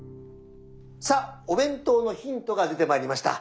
さあお弁当のヒントが出てまいりました！